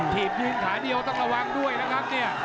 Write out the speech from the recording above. ีบยืนขาเดียวต้องระวังด้วยนะครับเนี่ย